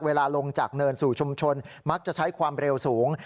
ลงจากเนินสู่ชุมชนมักจะใช้ความเร็วสูง